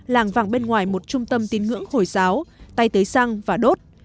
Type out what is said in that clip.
làng vàng bên ngoài một trung tâm tin ngưỡng hồi giáo tay tế xăng và đốt